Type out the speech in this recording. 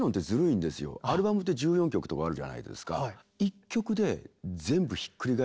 アルバムって１４曲とかあるじゃないですか。